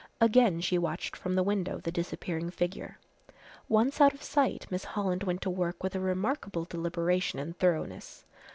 Again she watched from the window the disappearing figure. Once out of sight Miss Holland went to work with a remarkable deliberation and thoroughness.